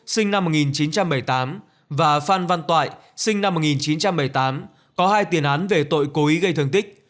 sinh năm một nghìn chín trăm bảy mươi tám và phan văn toại sinh năm một nghìn chín trăm bảy mươi tám có hai tiền án về tội cố ý gây thương tích